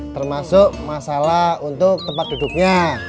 termasuk masalah untuk tempat duduknya